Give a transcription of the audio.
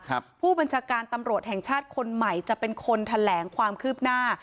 ผู้บัญชาการตำรวจแห่งชาติคนใหม่จะเป็นคนแถลงความคืบหน้า